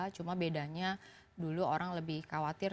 cuma bedanya dulu orang lebih khawatir